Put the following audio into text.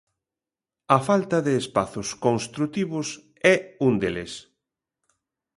A falta de espazos construtivos é un deles.